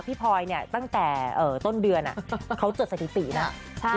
พี่พอยตั้งแต่ต้นเดือนเขาเจอสถิตินะ